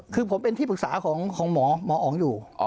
คือผมเป็นที่ปรึกษาของหมอหมออ๋องอยู่